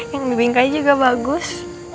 yang di bingkai juga bagus